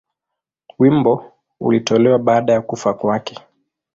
Wimbo ulitolewa baada ya kufa kwake.